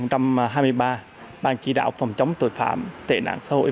năm hai nghìn hai mươi ba ban chỉ đạo phòng chống tội phạm tệ nạn xã hội